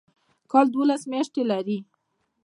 کال دوولس میاشتې لري